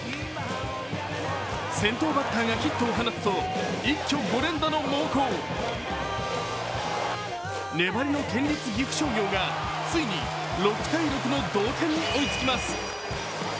先頭バッターがヒットを放つと一挙５点の猛攻粘りの県立岐阜商業がついに６−６の同点に追いつきます。